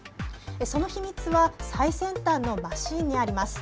その秘密は最先端のマシンにあります。